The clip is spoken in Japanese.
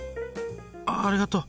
あっありがとう。